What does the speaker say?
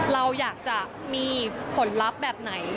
เราอยากจะมีผลลัพธ์แบบไหน